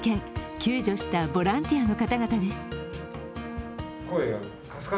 救助したボランティアの方々です。